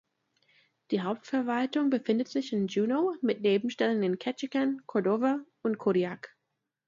Die Hauptverwaltung befindet sich in Juneau, mit Nebenstellen in Ketchikan, Cordova und Kodiak.